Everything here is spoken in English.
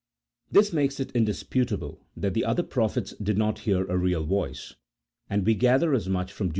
This makes it indisputable that the other prophets did not hear a real voice, and we gather as much from Deut.